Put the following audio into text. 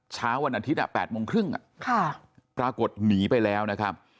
เช้าวันอาทิตย์๘โมงครึ่งปรากฏหนีไปแล้วนะครับ